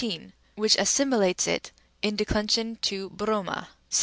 e, which assimilates it in declension to βρῶμα (§ 22).